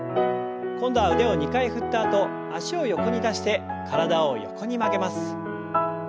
今度は腕を２回振ったあと脚を横に出して体を横に曲げます。